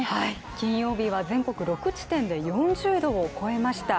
金曜日は全国６地点で４０度を超えました。